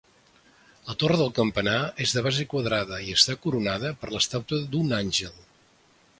La torre del campanar és de base quadrada i està coronada per l'estàtua d'un àngel.